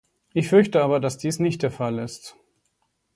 Ich fürchte aber, dass dies nicht der Fall ist.